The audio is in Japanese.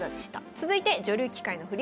続いて女流棋界の振り